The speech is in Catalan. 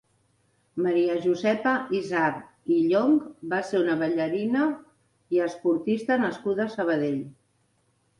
Maria Josepa Izard i Llonch va ser una ballarina i esportista nascuda a Sabadell.